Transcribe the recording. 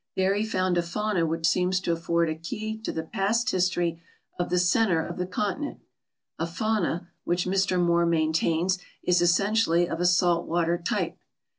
There he found a fauna which seems to afford a key to the past history of the center of the continent, a fauna which, Mr Moore maintains, is essentially of a salt water type.